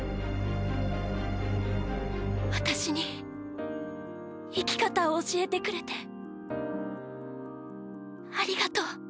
私に生き方を教えてくれてありがとう。